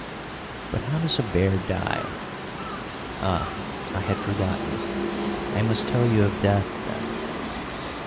But how does a bear die? Ah, I had forgotten. I must tell you of death, then.